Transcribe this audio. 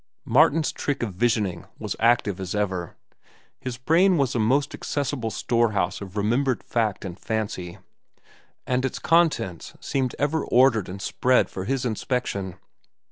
Martin's trick of visioning was active as ever. His brain was a most accessible storehouse of remembered fact and fancy, and its contents seemed ever ordered and spread for his inspection.